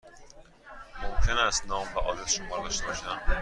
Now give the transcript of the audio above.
ممکن است نام و آدرس شما را داشته باشم؟